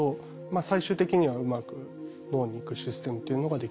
最終的にはうまく脳に行くシステムというのができました。